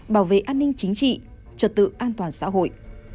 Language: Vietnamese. bảo vệ an ninh chính trị